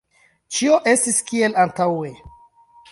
Ĉio estis kiel antaŭe.